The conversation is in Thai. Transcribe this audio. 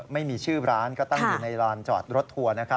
ไม่มีชื่อร้านก็ตั้งอยู่ในร้านจอดรถทัวร์